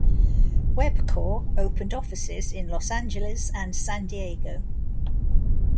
Webcor opened offices in Los Angeles and San Diego.